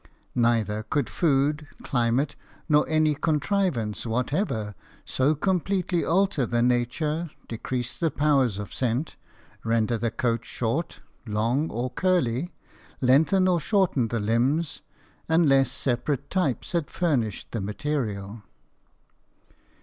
Neither could food, climate, nor any contrivance whatever so completely alter the nature, decrease the powers of scent, render the coat short, long, or curly, lengthen or shorten the limbs, unless separate types had furnished the material.